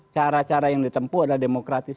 cara cara yang ditempuh adalah demokratis